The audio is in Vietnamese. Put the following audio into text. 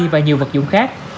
và nhiều vật dụng khác